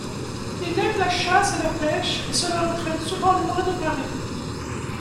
Il aime la chasse et la pêche et cela l'entraîne souvent loin de Paris.